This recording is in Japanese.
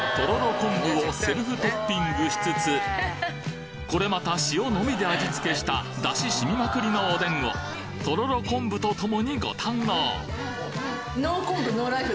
昆布をセルフトッピングしつつこれまた塩のみで味付けした出汁染みまくりのおでんをとろろ昆布とともにご堪能！